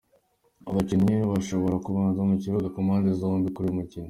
Abakinnyi bashobora kubanza mu kibuga ku mpande zombi kuri uyu mukino:.